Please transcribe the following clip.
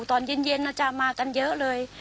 ตอนเย็นมากันเยอะเลย